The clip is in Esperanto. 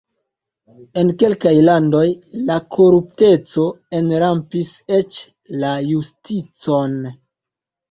En kelkaj landoj la korupteco enrampis eĉ la justicon.